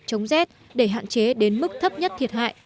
hết để hạn chế đến mức thấp nhất thiệt hại cho đàn gia sốc